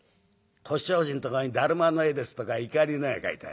腰障子んとこにだるまの絵ですとか碇の絵が描いてある。